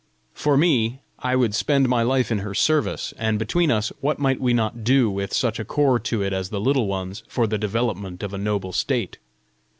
For me, I would spend my life in her service; and between us, what might we not do, with such a core to it as the Little Ones, for the development of a noble state?